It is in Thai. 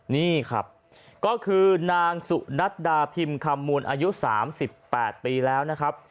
นี่ครับก็คือนางสุนัดดาพิมพ์คำมูลอายุ๓๘ปีแล้วนะครับ